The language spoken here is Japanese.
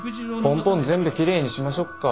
ポンポン全部奇麗にしましょっか。